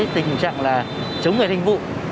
tình trạng là chống người thiên vụ